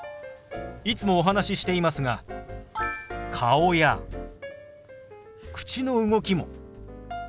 いつもお話ししていますが顔や口の動きも手話の一部ですよ。